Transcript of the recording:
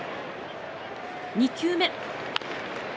２球目。